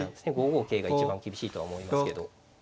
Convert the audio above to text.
５五桂が一番厳しいとは思いますけど。